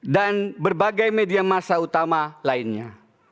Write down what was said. berbagai media masa utama lainnya